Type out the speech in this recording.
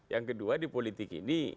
yang kedua di politik ini